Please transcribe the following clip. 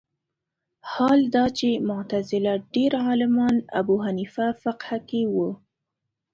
حال دا چې معتزله ډېر عالمان ابو حنیفه فقه کې وو